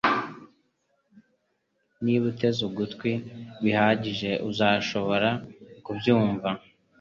Niba uteze ugutwi bihagije uzashobora kubyumva